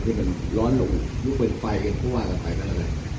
คือว่าถ้าที่มีเวลาที่จะร้อนก็ไปกันเลย